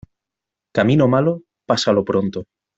Camino malo, pásalo pronto.